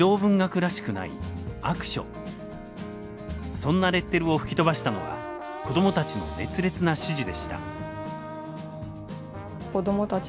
そんなレッテルを吹き飛ばしたのは子どもたちの熱烈な支持でした。